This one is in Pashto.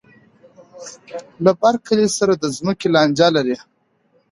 له بر کلي سره د ځمکې لانجه لري.